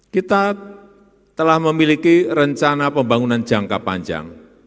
kita telah memiliki rencana pembangunan jangka panjang